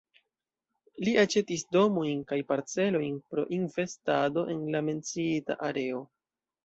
Li aĉetis domojn kaj parcelojn pro investado en la menciita areo.